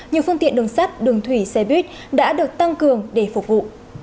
nhiều phương tiện đường sắt đường thủy xe buýt đã được tăng cường để phục vụ